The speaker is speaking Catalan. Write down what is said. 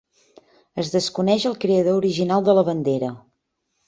Es desconeix el creador original de la bandera.